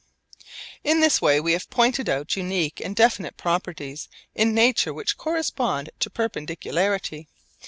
In this way we have pointed out unique and definite properties in nature which correspond to perpendicularity.